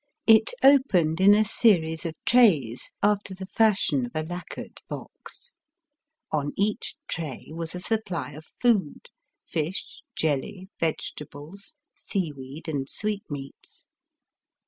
It opened in a series of trays, after the fashion of a lacquered box. On each tray was a supply of food, fish, jelly, vegetables, seaweed, and sweetmeats.